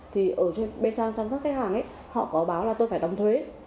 thì ở bên trong các khách hàng họ có báo là tôi phải đóng thuế